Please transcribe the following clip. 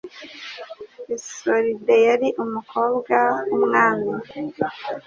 Isolde yari umukobwa w'umwami